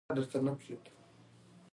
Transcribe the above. دوهم فصل